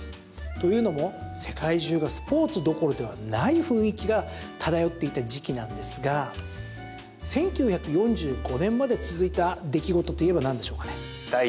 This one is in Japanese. というのも、世界中がスポーツどころではない雰囲気が漂っていた時期なんですが１９４５年まで続いた出来事といえばなんでしょうかね。